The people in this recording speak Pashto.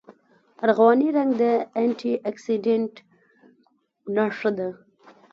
ارغواني رنګ د انټي اکسیډنټ نښه ده.